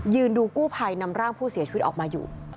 ดูกู้ภัยนำร่างผู้เสียชีวิตออกมาอยู่